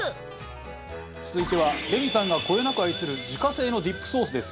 続いてはレミさんがこよなく愛する自家製のディップソースです。